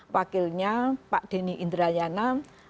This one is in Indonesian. wakilnya pak deni indrayana